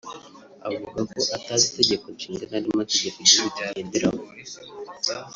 avuga ko atazi Itegeko Nshinga n’andi mategeko igihugu kigenderaho